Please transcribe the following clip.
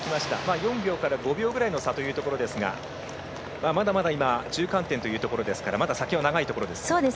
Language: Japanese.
４秒から５秒くらいというところですがまだまだ中間点というところですからまだ先は長いところです。